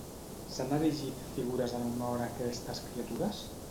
S'han erigit figures en honor a aquestes criatures?